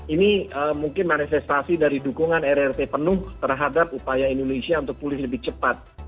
ini mungkin manifestasi dari dukungan rrt penuh terhadap upaya indonesia untuk pulih lebih cepat